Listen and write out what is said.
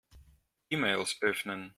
E-Mails öffnen.